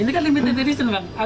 ini kan limited edition bang